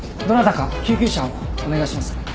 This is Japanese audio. どなたか救急車をお願いします。